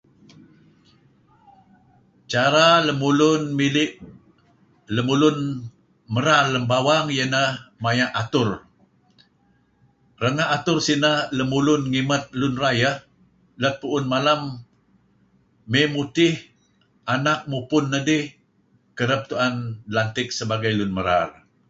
Cara lemulun mili' lemulun merar lem bawang iyeh ineh maya' atur renga' atur sineh ngimat lun rayeh let pu'un malem mudtih anak mupun nedih kereb tu'en lantik sebagai lun merar.